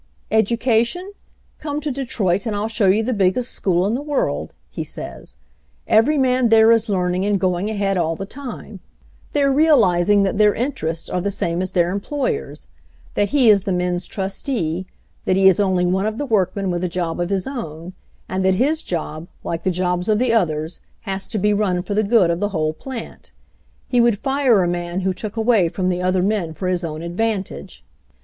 "Education? Come to Detroit and I'll show you the biggest school in the world," he says. "Every man there is learning and going ahead all the time. They're realizing that their interests i7o HENRY FORD'S OWN STORY are the same as their employer's, that he is the men's trustee, that he is only one of the workmen with a job of his own, and that his job, like the jobs of the others, has to be run for the good of the whole plant. He would fire a man who took away from the other men for his own ad vantage.